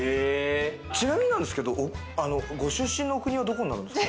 ちなみになんですけれど、ご出身の国はどこになるんですか？